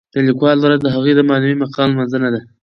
د لیکوالو ورځ د هغوی د معنوي مقام لمانځنه ده.